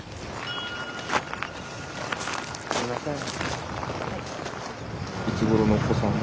すいません。